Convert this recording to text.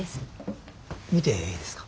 見ていいですか？